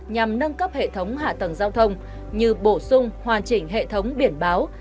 nhằm nâng cấp hệ thống hạ tầng giao thông như bổ sung hoàn chỉnh hệ thống biển báo